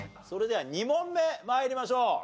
それでは２問目参りましょう。